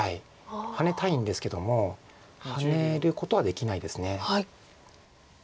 ハネたいんですけどもハネることはできないです。